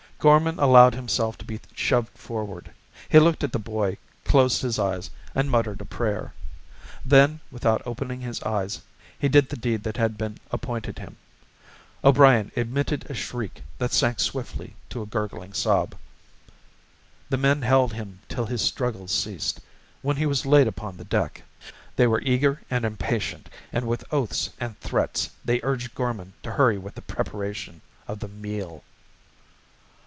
Gorman allowed himself to be shoved forward. He looked at the boy, closed his eyes, and muttered a prayer. Then, without opening his eyes, he did the deed that had been appointed him. O'Brien emitted a shriek that sank swiftly to a gurgling sob. The men held him till his struggles ceased, when he was laid upon the deck. They were eager and impatient, and with oaths and threats they urged Gorman to hurry with the preparation of the meal.